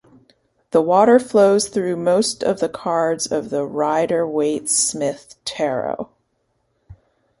The water flows through most of the cards of the Rider-Waite-Smith Tarot.